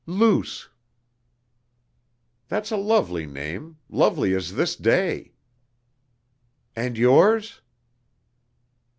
"Luce." "That's a lovely name, lovely as this day!" "And yours?"